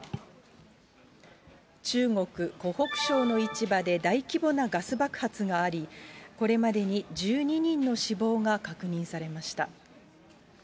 中国・湖北省の市場で大規模なガス爆発があり、これまでに１２人の死亡が確認されました。